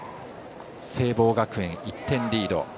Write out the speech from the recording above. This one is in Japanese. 聖望学園、１点リード。